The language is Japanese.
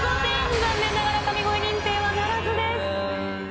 残念ながら神声認定はならずです。